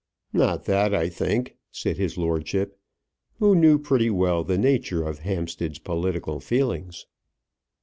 "Not that, I think," said his lordship, who knew pretty well the nature of Hampstead's political feelings.